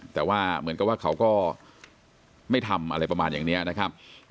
แต่ว่าเหมือนกับว่าเขาก็ไม่ทำอะไรประมาณอย่างนี้นะครับ